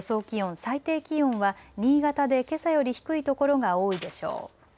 気温、最低気温は新潟でけさより低いところが多いでしょう。